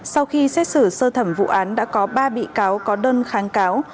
sau khi xét xử sơ thẩm vụ án đã có ba bị cáo có đơn kháng cáo